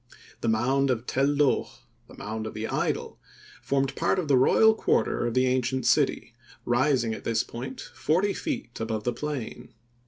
The mound of Tel Loh, "The Mound of the Idol," formed part of the royal quarter of the ancient city, rising at this point forty feet above the plain.